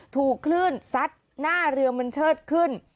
ถูกคลื่นซัดหน้าเรือมันเชิดขึ้น